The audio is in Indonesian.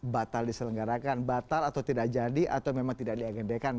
batal diselenggarakan batal atau tidak jadi atau memang tidak diagendaikan